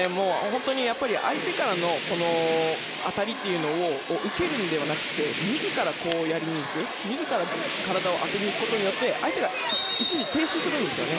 相手からの当たりを受けるのではなくて自らやりにいく自ら体を当てにいくことによって相手が一時停止するんですね。